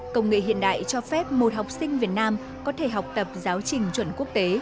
công nghệ hiện đại cho phép một học sinh việt nam có thể học tập giáo trình chuẩn quốc tế